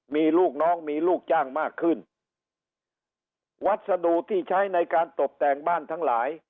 มีลูกน้องมีลูกจ้างมากขึ้นวัสดุที่ใช้ในการตบแต่งบ้านทั้งหลาย